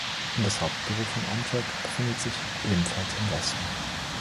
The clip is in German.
Das Hauptbüro von Amtrak befindet sich ebenfalls im Westen.